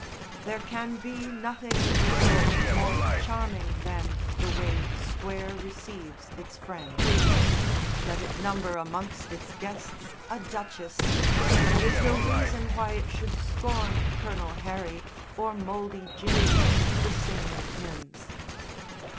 There can be nothing in the world more charming than the way the Square receives its friends. Let it number amongst its guests a Duchess, that is no reason why it should scorn "Colonel Harry" or "Mouldy Jim," the singer of hymns.